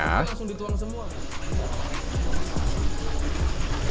berarti langsung dituang semua